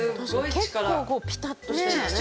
結構こうピタッとしててね。